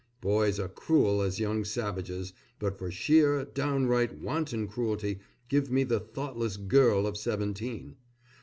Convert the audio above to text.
Boys are cruel as young savages, but for sheer, downright, wanton cruelty give me the thoughtless girl of seventeen.